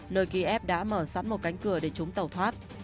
nơi kiev đã mở sẵn một cánh cửa để chúng tàu thoát